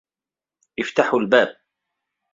افتحوا الباب.